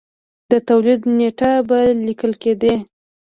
د تولید نېټه به لیکل کېده